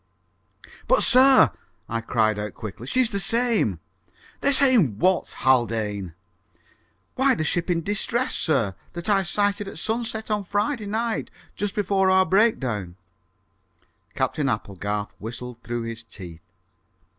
"But, sir," I cried out quickly. "She's the same!" "The same what, Haldane?" "Why, the ship in distress, sir, that I sighted at sunset on Friday night just before our breakdown." Captain Applegarth whistled through his teeth.